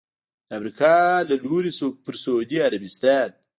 د امریکا له لوري پر سعودي عربستان